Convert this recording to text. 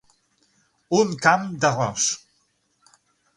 Un camp d'arròs.